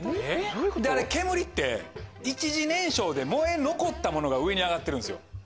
煙って一次燃焼で燃え残ったものが上に上がってるんですよ。